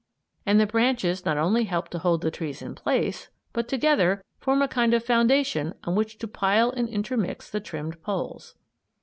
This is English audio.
And the branches not only help to hold the trees in place, but, together, form a kind of foundation on which to pile and intermix the trimmed poles.